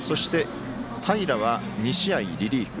平は２試合リリーフ。